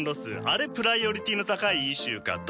あれプライオリティーの高いイシューかと。